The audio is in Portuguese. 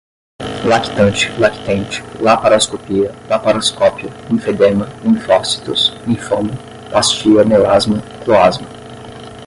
lactante, lactente, laparoscopia, laparoscópio, linfedema, linfócitos, linfoma, pastia, melasma, cloasma